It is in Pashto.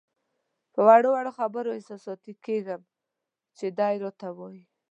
په وړو وړو خبرو احساساتي کېږم چې دی راته وایي.